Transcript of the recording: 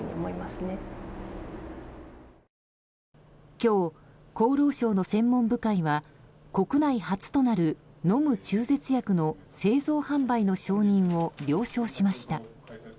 今日、厚労省の専門部会は国内初となる飲む中絶薬の製造・販売の承認を了承しました。